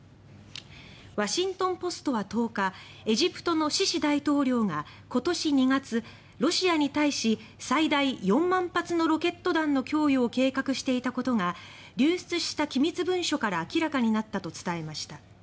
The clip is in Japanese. ワシントン・ポストは１０日エジプトのシシ大統領が今年２月ロシアに対し最大４万発のロケット弾の供与を計画していたことが流出した機密文書から明らかになったと伝えました。